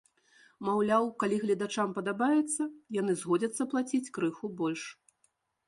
Маўляў, калі гледачам падабаецца, яны згодзяцца плаціць крыху больш.